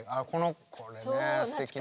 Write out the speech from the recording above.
これねすてきね。